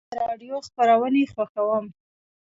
زه د راډیو خپرونې خوښوم.